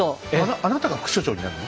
あなたが副所長になるの？